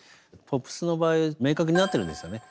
ポップスの場合明確になってるんですよね。